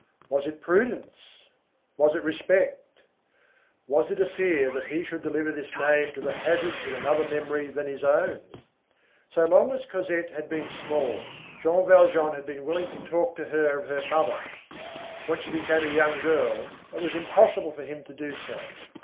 Was it prudence? Was it respect? Was it a fear that he should deliver this name to the hazards of another memory than his own? So long as Cosette had been small, Jean Valjean had been willing to talk to her of her mother; when she became a young girl, it was impossible for him to do so.